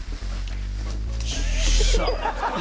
よっしゃ。